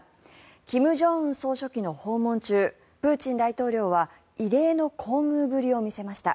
金正恩総書記の訪問中プーチン大統領は異例の厚遇ぶりを見せました。